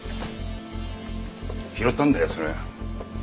拾ったんだよそれは。